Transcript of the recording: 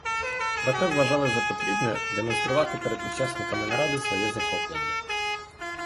Проте вважали за потрібне демонструвати перед учасниками наради своє захоплення.